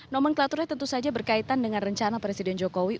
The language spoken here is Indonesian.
nomenklaturnya tentu saja berkaitan dengan rencana presiden jokowi